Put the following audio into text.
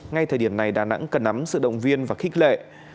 ngay thời điểm này đà nẵng cần nắm sự động viên và khích lệ